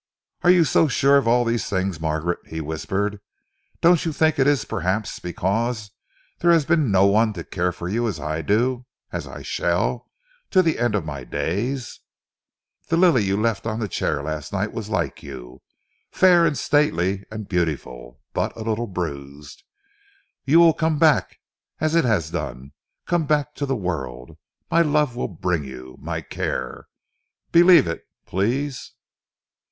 "Are you so sure of all these things, Margaret?" he whispered. "Don't you think it is, perhaps, because there has been no one to care for you as I do as I shall to the end of my days? The lily you left on your chair last night was like you fair and stately and beautiful, but a little bruised. You will come back as it has done, come back to the world. My love will bring you. My care. Believe it, please!"